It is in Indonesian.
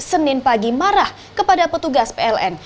senin pagi marah kepada petugas pln